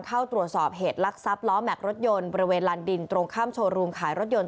เข้าตรวจสอบเหตุลักษัพล้อแม็กซรถยนต์บริเวณลานดินตรงข้ามโชว์รูมขายรถยนต์